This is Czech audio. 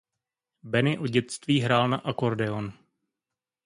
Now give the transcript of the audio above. Benny od dětství hrál na akordeon.